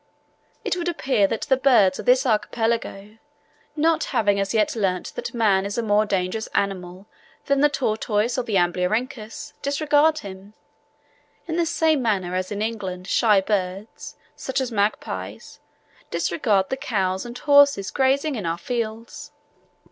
It would appear that the birds of this archipelago, not having as yet learnt that man is a more dangerous animal than the tortoise or the Amblyrhynchus, disregard him, in the same manner as in England shy birds, such as magpies, disregard the cows and horses grazing in our fields.